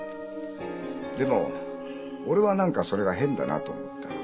でも俺は何かそれが変だなと思った。